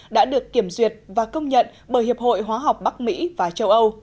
đã được kiểm duyệt và công nhận bởi hiệp hội hóa học bắc mỹ và châu âu